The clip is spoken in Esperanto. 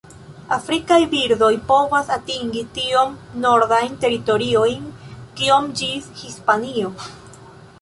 Afrikaj birdoj povas atingi tiom nordajn teritoriojn kiom ĝis Hispanio.